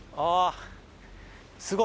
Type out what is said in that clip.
すごい。